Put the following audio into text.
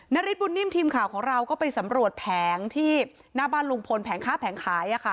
ฤทธบุญนิ่มทีมข่าวของเราก็ไปสำรวจแผงที่หน้าบ้านลุงพลแผงค้าแผงขาย